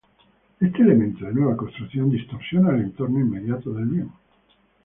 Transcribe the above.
Este elemento de nueva construcción distorsiona el entorno inmediato del bien.